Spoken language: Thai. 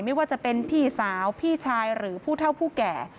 ไม่ว่าจะเป็นพี่สาวพี่ชายหรือผู้เท่าผู้แก่